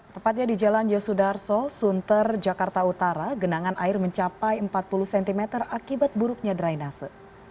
tepatnya di jalan yosudarso sunter jakarta utara genangan air mencapai empat puluh cm akibat buruknya drainase